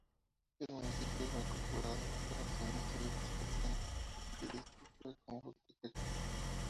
El municipio fue incorporado al departamento de Cuscatlán y distrito de Cojutepeque.